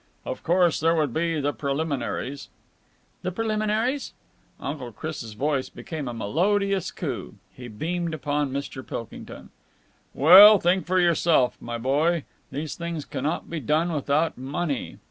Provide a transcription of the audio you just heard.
"Of course, there would be the preliminaries." "The preliminaries?" Uncle Chris' voice became a melodious coo. He beamed upon Mr. Pilkington. "Well, think for yourself, my boy! These things cannot be done without money.